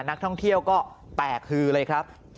นักท่องเที่ยวก็แตกฮือเลยครับ